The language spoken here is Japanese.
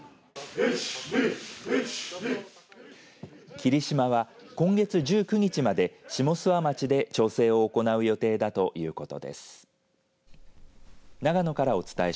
霧島は今月１９日まで下諏訪町で調整を行う予定だということです。